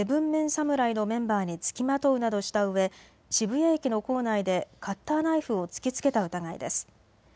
７ＭＥＮ侍のメンバーに付きまとうなどしたうえ渋谷駅の構内でカッターナイフを突きつけた疑いです。